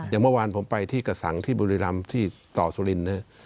อย่างเมื่อวานผมไปที่กระสังที่บุรีรำที่ต่อสุรินทร์นะครับ